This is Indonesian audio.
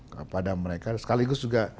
kepada mereka sekaligus juga